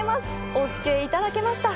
オーケーいただけました。